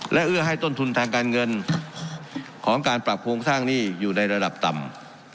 และเอื้อให้ต้นทุนทางการเงินของการปรับโครงสร้างหนี้อยู่ในระดับต่ำ